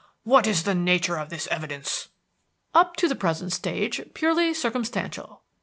"What is the nature of this evidence?" "Up to the present stage, purely circumstantial."